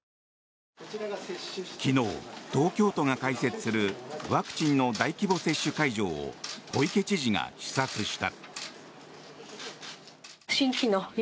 昨日、東京都が開設するワクチンの大規模接種会場を小池知事が視察した。